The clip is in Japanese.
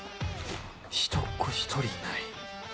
人っ子一人いない